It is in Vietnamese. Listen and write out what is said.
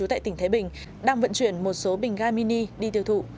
tại tỉnh thái bình đang vận chuyển một số bình ga mini đi tiêu thụ